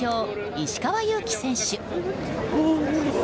石川祐希選手。